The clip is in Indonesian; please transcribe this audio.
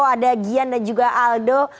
ada gian dan juga aldo